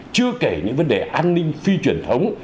chưa kể những vấn đề an ninh phi truyền thống